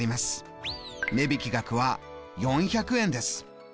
値引額は４００円です。